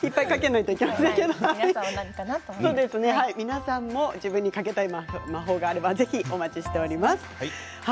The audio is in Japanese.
皆さんも自分にかけたい魔法があればぜひお待ちしています。